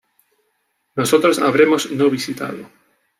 Nosotros habremos no visitado